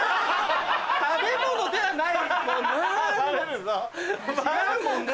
食べ物ではないもんな！